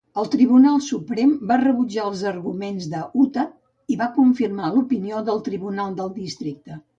El Tribunal Suprem va rebutjar els arguments de Utah i va confirmar l'opinió del tribunal del districte.